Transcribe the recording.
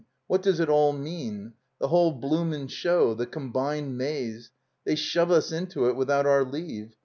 What does it all mean? The whole bloomin' show? The Com bined Maze? They shove us into it without our leave.